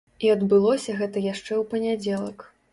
І адбылося гэта яшчэ ў панядзелак.